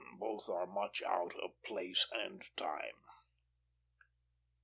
Both are much out of place and time.